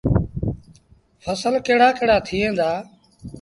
ڦسل ڪهڙآ ڪهڙآ ٿئيٚݩ دآ۔